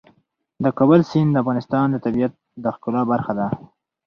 د کابل سیند د افغانستان د طبیعت د ښکلا برخه ده.